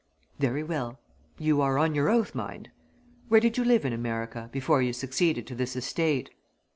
"Very well you are on your oath, mind. Where did you live in America, before you succeeded to this estate?"